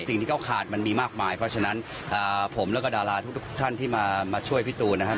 สิ่งที่เขาขาดมันมีมากมายเพราะฉะนั้นผมแล้วก็ดาราทุกท่านที่มาช่วยพี่ตูนนะครับ